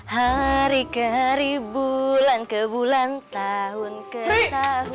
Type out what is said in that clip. hari ke hari bulan ke bulan tahun ke tahun